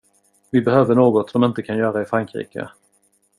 Vi behöver något de inte kan göra i Frankrike.